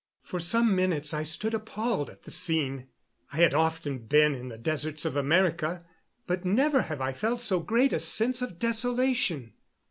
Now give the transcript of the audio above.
For some minutes I stood appalled at the scene. I had often been in the deserts of America, but never have I felt so great a sense of desolation.